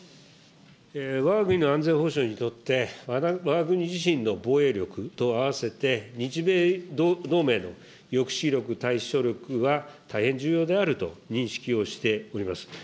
わが国の安全保障にとって、わが国自身の防衛力とあわせて、日米同盟の抑止力、対処力は、大変重要であると認識をしております。